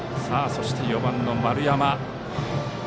そして、４番の丸山。